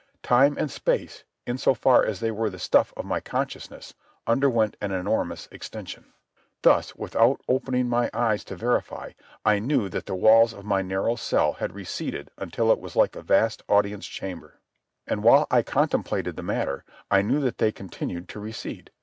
Time and space, in so far as they were the stuff of my consciousness, underwent an enormous extension. Thus, without opening my eyes to verify, I knew that the walls of my narrow cell had receded until it was like a vast audience chamber. And while I contemplated the matter, I knew that they continued to recede.